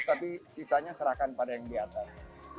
tapi sisanya serahkan pada yang di atas